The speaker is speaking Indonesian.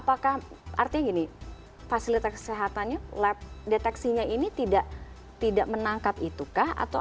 mereka artinya gini fasilitas kesehatannya lab deteksinya ini tidak menangkap itu kah